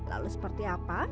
lalu seperti apa